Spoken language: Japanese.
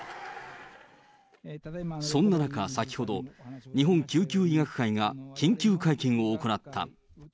そんな中、先ほど、日本救急医学会が緊急会見を行った。